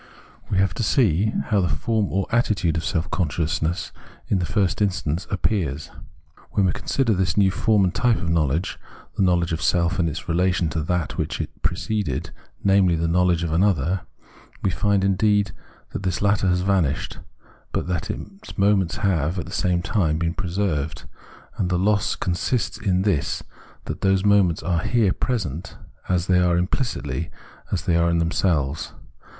We have to see how the form or attitude of seK consciousness in the first instance appears. When we consider this new form and type of knowledge, the knowledge of self, in its relation to that which preceded, namely, the knowledge of an other, we find, indeed, that this latter has vanished, but that its moments have, at the same time, been preserved ; and the loss consists in this, that those moments are here present as they are implicitly, as they are in them selves.